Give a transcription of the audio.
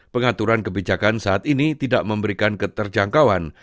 pengaturan kebijakan saat ini tidak memberikan keterjangkauan